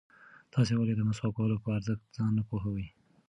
تاسې ولې د مسواک وهلو په ارزښت ځان نه پوهوئ؟